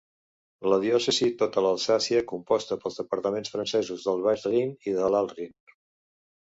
La diòcesi tota l'Alsàcia, composta pels departaments francesos del Baix Rin i de l'Alt Rin.